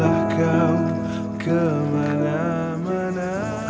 aku harus bisa menahan diri aku